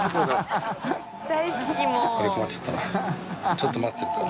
ちょっと待ってるから。